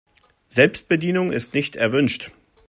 Selbstbedienung ist nicht erwünscht.